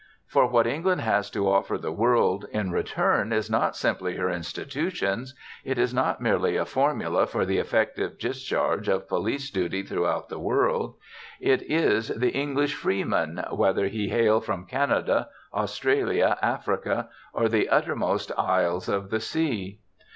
For what England has to offer the world in return is not simply her institutions; it is not merely a formula for the effective discharge of police duty throughout the world; it is the English freeman, whether he hail from Canada, Australia, Africa, or the uttermost isles of the sea.